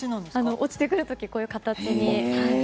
落ちてくる時こういう形に。